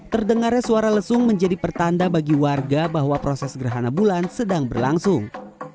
terdengarnya suara lesung menjadi pertanda bagi warga bahwa proses gerhana bulan sedang berlangsung